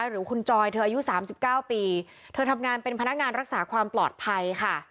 หรือคุณจอยเธออายุสามสิบเก้าปีเธอทำงานเป็นพนักงานรักษาความปลอดภัยค่ะ